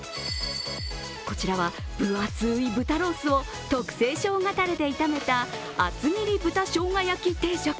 こちらは分厚い豚ロースを特製しょうがだれで炒めた厚切り豚生姜焼定食。